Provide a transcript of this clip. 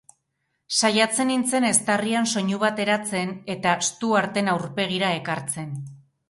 Saiatzen nintzen eztarrian soinu bat eratzen eta Stuarten aurpegira ekartzen.